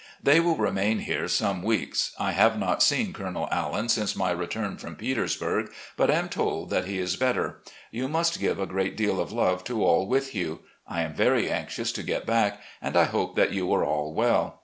They will remain here some weeks. I have not seen Colonel Allan since my return from Peters burg, but am told that he is better. You must give a great deal of love to all with you. I am very anxious to get back, and I hope that you are all well.